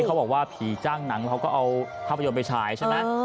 เขาบอกว่าผีจ้างหนังเขาก็เอาภาพยนตร์ไปฉายใช่ไหม